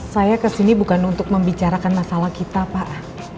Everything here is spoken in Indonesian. saya kesini bukan untuk membicarakan masalah kita pak